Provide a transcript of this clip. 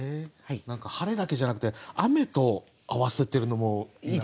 晴れだけじゃなくて雨と合わせてるのもいい感じですね。